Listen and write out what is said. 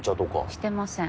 してません。